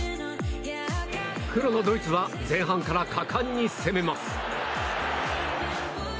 黒のドイツは前半から果敢に攻めます。